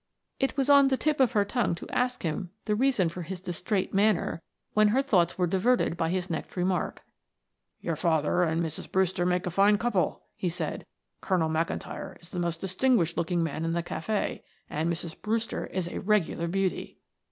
It was on the tip of her tongue to ask him the reason for his distrait manner when her thoughts were diverted by his next remark. "Your father and Mrs. Brewster make a fine couple," he said. "Colonel McIntyre is the most distinguished looking man in the cafe and Mrs. Brewster is a regular beauty."